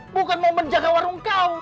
bukan mau menjaga warung kau